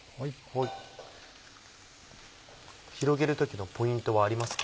広げる時のポイントはありますか？